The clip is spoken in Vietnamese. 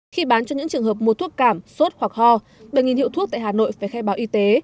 khi bán cho những trường hợp mua thuốc cảm sốt hoặc ho bảy hiệu thuốc tại hà nội phải khai báo y tế